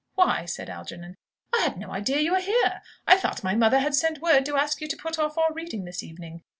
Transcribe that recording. "Why," said Algernon, "I had no idea you were here! I thought my mother had sent word to ask you to put off our reading this evening.